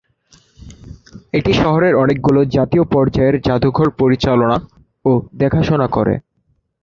এটি শহরের অনেকগুলি জাতীয় পর্যায়ের জাদুঘর পরিচালনা ও দেখাশোনা করে।